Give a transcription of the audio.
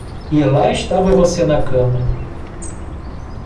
E lá estava você na cama.